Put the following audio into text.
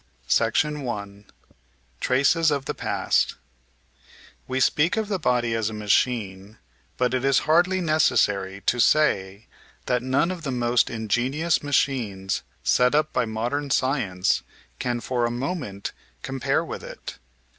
817 818 The Outline of Science § 1 Traces of the Past We speak of the body as a machine, but it is hardly necessary to say that none of the most ingenious machines set up by modern science can for a moment compare with it.